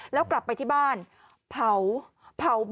แล้วกลับไปที่บ้านเผาบ้าน